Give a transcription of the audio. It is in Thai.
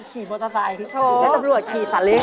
ขี่มอเตอร์ไซค์แล้วตำรวจขี่สาเล้ง